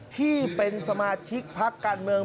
ที่เป็นสมาชิกพักการเมือง